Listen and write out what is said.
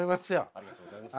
ありがとうございます。